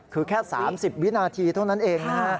คือแค่๓๐วินาทีเท่านั้นเองนะฮะ